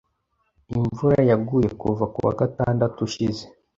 Imvura yaguye kuva kuwa gatandatu ushize. .